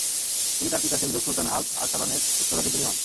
তিনি তার পিতা সেলজুক সুলতান আল্প আরসালানের উত্তরাধীকারী হন।